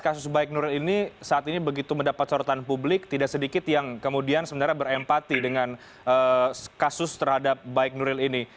kasus baik nuril ini saat ini begitu mendapat sorotan publik tidak sedikit yang kemudian sebenarnya berempati dengan kasus terhadap baik nuril ini